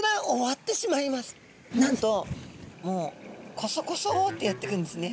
なんともうコソコソッてやって来るんですね。